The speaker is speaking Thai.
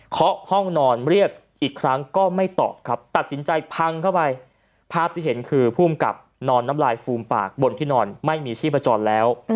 ห้องนอนเรียกอีกครั้งก็ไม่ตอบครับตัดสินใจพังเข้าไปภาพที่เห็นคือผู้อำกับนอนน้ำลายฟูมปากบนที่นอนไม่มีชีพจรแล้ว